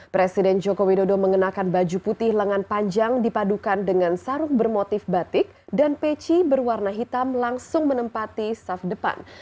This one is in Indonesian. presiden joko widodo mengenakan baju putih lengan panjang dipadukan dengan sarung bermotif batik dan peci berwarna hitam langsung menempati saf depan